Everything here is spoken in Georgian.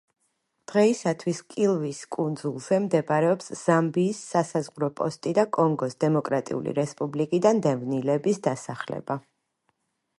დღეისათვის კილვის კუნძულზე მდებარეობს ზამბიის სასაზღვრო პოსტი და კონგოს დემოკრატიული რესპუბლიკიდან დევნილების დასახლება.